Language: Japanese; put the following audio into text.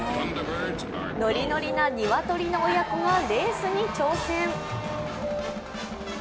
ノリノリな鶏の親子がレースに挑戦。